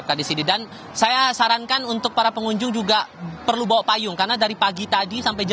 melalui website secara online untuk memudahkan saat proses masuk ke kawasan taman impian ya